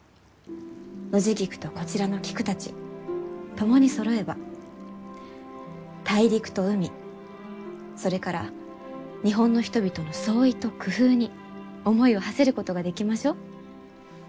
ノジギクとこちらの菊たち共にそろえば大陸と海それから日本の人々の創意と工夫に思いをはせることができましょう。